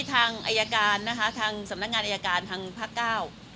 ทางสำนักงานอายการทางภาคเก้า